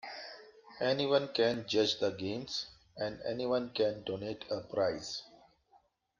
Anyone can judge the games, and anyone can donate a prize.